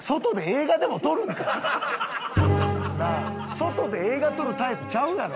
外で映画撮るタイプちゃうやろ。